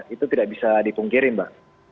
itu tidak bisa dipungkiri mbak